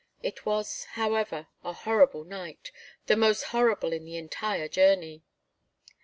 It was, however, a horrible night the most horrible in the entire journey.